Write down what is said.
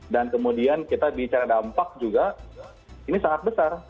dan kemudian kita bicara dampak juga ini sangat besar